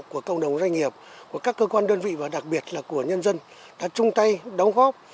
của cộng đồng doanh nghiệp của các cơ quan đơn vị và đặc biệt là của nhân dân đã chung tay đóng góp